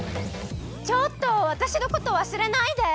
ちょっとわたしのことわすれないで！